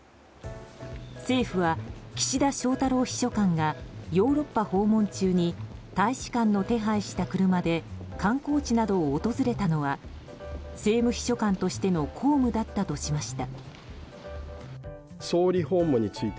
政府は岸田翔太郎秘書官がヨーロッパ訪問中に大使館の手配した車で観光地などを訪れたのは政務秘書官としての公務だったとしました。